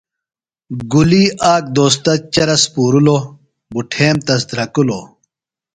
گُلی آک دوستہ چرس پُورِلوۡ بُٹھیم تس دھرکِلوۡ۔